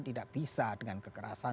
tidak bisa dengan kekerasan